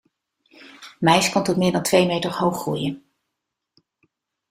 Maïs kan tot meer dan twee meter hoog groeien.